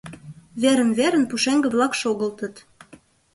Верын-верын пушеҥге-влак шогылтыт.